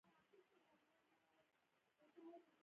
د کارونو یا امورو برابرول او په مختلفو ډګرونو کی